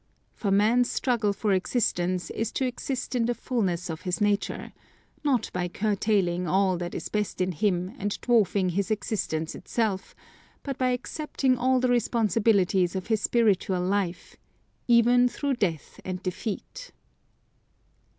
For man's struggle for existence is to exist in the fullness of his nature, not by curtailing all that is best in him and dwarfing his existence itself, but by accepting all the responsibilities of his spiritual life, even through death and defeat.